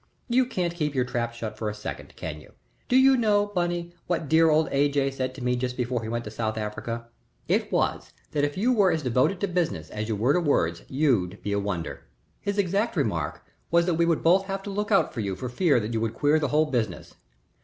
"You can't keep your trap shut for a second, can you? Do you know, Bunny, what dear old A. J. said to me just before he went to South Africa? It was that if you were as devoted to business as you were to words you'd be a wonder. His exact remark was that we would both have to look out for you for fear you would queer the whole business.